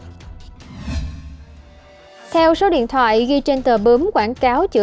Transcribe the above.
các bạn hãy đăng ký kênh để ủng hộ kênh của chúng mình nhé